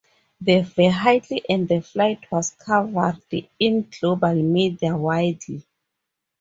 The vehicle and the flight was covered in global media widely.